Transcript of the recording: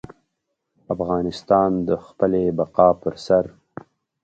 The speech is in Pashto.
افغانستان د خپلې بقا پر سر.